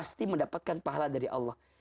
pasti mendapatkan pahala dari allah